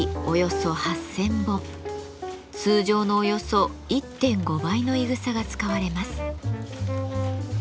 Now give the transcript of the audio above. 通常のおよそ１．５倍のいぐさが使われます。